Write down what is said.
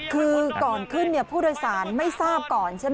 คือก่อนขึ้นผู้โดยสารไม่ทราบก่อนใช่ไหม